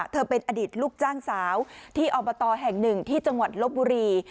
เป็นอดีตลูกจ้างสาวที่อบตแห่งหนึ่งที่จังหวัดลบบุรี